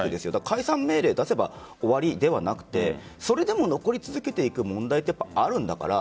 解散命令を出せば終わりではなくてそれでも残り続けていく問題はあるんだから